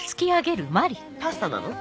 パスタなの？